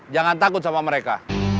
jangan takut sama mereka